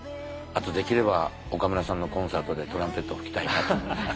あとできれば岡村さんのコンサートでトランペット吹きたいなと。